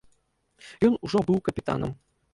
Ён ужо быў капітанам.